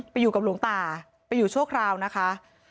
ไปอยู่กับหลวงตาไปอยู่ชั่วคราวนะคะ